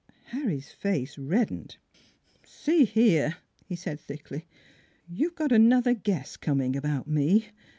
Harry's face reddened. " See here !" he said thickly, " you've got an other guess coming about me.